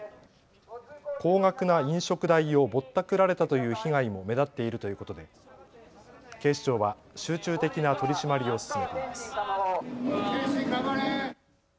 高額な飲食代をぼったくられたという被害も目立っているということで警視庁は集中的な取締りを進めています。